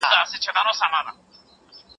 زه به سبا پوښتنه کوم.